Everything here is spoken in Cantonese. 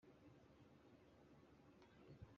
加句子前試下自己讀下先啦唔該